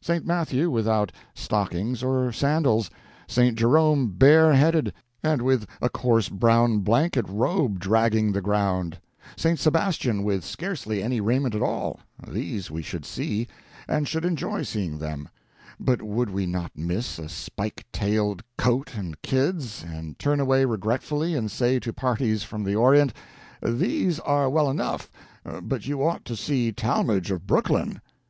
St. Matthew without stockings or sandals; St. Jerome bare headed, and with a coarse brown blanket robe dragging the ground; St. Sebastian with scarcely any raiment at all these we should see, and should enjoy seeing them; but would we not miss a spike tailed coat and kids, and turn away regretfully, and say to parties from the Orient: "These are well enough, but you ought to see Talmage of Brooklyn."